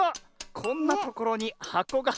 こんなところにはこが！